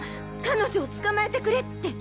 彼女を捕まえてくれ」って。